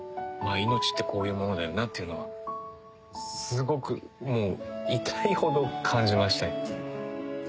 命ってこういうものだよなっていうのはすごくもう痛いほど感じましたね。